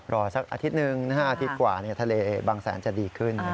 สักอาทิตย์หนึ่งอาทิตย์กว่าทะเลบางแสนจะดีขึ้น